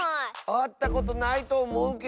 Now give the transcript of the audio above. あったことないとおもうけど。